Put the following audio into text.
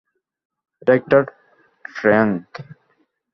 এটা একটা ট্যাঙ্ক!